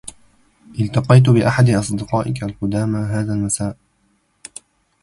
التقيت بأحد أصدقائك القدامى هذا المساء.